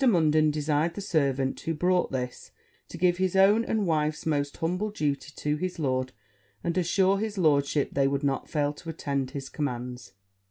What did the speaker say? Munden desired the servant who brought this, to give his own and wife's most humble duty to his lord, and assure his lordship they would not fail to attend his commands.